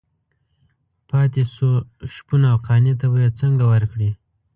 پاتې شو شپون او قانع ته به یې څنګه ورکړي.